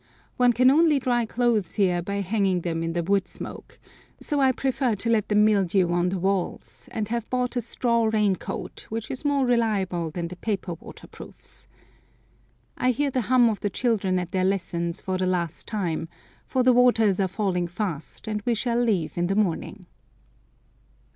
One can only dry clothes here by hanging them in the wood smoke, so I prefer to let them mildew on the walls, and have bought a straw rain coat, which is more reliable than the paper waterproofs. I hear the hum of the children at their lessons for the last time, for the waters are falling fast, and we shall leave in the morning.